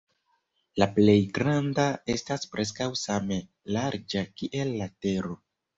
La plej granda estas preskaŭ same larĝa kiel la Tero.